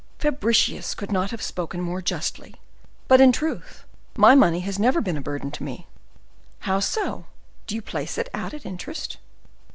"Fabricius could not have spoken more justly. But in truth, my money has never been a burden to me." "How so? Do you place it out at interest?"